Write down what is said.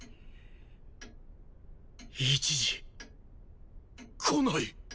１時。来ない。